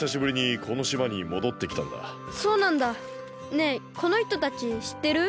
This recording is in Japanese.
ねえこのひとたちしってる？